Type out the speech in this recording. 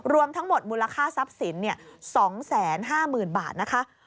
รวมทั้งหมดมูลค่าทรัพย์สิน๒๕๐๐๐บาทนะคะ